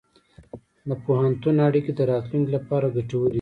د پوهنتون اړیکې د راتلونکي لپاره ګټورې دي.